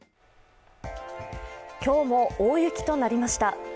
今日も大雪となりました。